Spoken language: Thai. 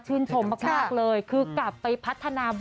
ซึ่งตรงนี้มินกับครอบครัวที่อยู่ต่างจังหวัดนะครับ